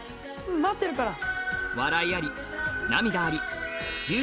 待ってるから。